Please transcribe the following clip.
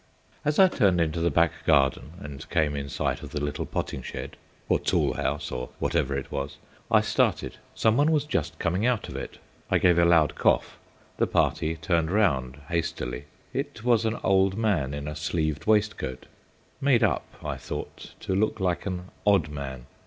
As I turned into the back garden and came in sight of the little potting shed or tool house or whatever it was, I started. Someone was just coming out of it. I gave a loud cough. The party turned round hastily; it was an old man in a sleeved waistcoat, made up, I thought, to look like an "odd man."